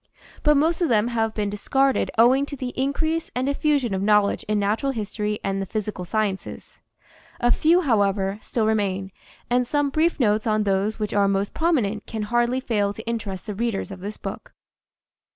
But most of them have been discarded owing to the in crease and diffusion of knowledge in natural history and the physical sciences. A few, however, still remain, and some brief notes on those which are most prominent can hardly fail to interest the readers of this book.